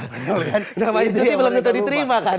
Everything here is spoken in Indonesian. namanya cuti belum tentu diterima kan